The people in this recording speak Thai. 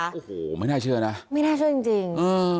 โอ้โหไม่น่าเชื่อนะไม่น่าเชื่อจริง